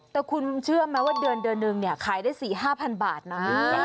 แต่คุณเชื่อไหมว่าเดือนนึงเนี่ยขายได้๔๕๐๐บาทนะ